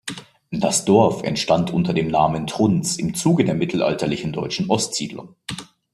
Das Dorf entstand unter dem Namen Trunz im Zuge der mittelalterlichen deutschen Ostsiedlung.